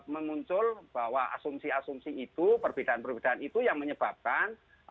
memuncul bahwa asumsi asumsi itu perbedaan perbedaan itu yang menyebabkan